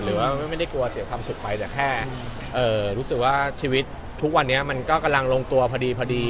หรือว่าไม่ได้กลัวเสียความสุขไปแต่แค่รู้สึกว่าชีวิตทุกวันนี้มันก็กำลังลงตัวพอดี